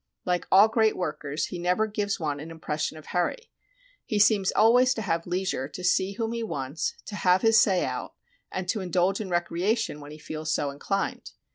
Like all great workers he never gives one an im pression of hurry. He seems always to have leisure to see whom he wants, to have his say out, and to indulge in recreation when he feels so inclined.